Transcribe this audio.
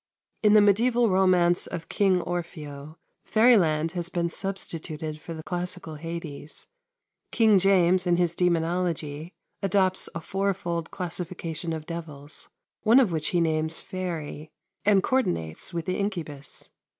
In the mediaeval romance of "King Orfeo" fairyland has been substituted for the classical Hades. King James, in his "Daemonologie," adopts a fourfold classification of devils, one of which he names "Phairie," and co ordinates with the incubus.